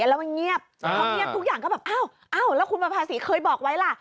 แล้วมันเงียบพอเงียบทุกอย่างก็แบบอ้าวแล้วคุณประภาษีเคยบอกไว้ล่ะ